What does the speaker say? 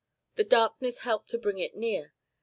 The darkness helped to bring it near.